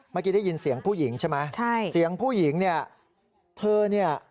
เมื่อกี้ได้ยินเสียงผู้หญิงใช่ไหมใช่เสียงผู้หญิงเนี่ยเธอเนี่ย